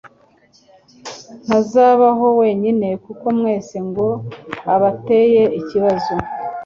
Ntazabaho wenyine kuko mwese ngo abateye ikibazo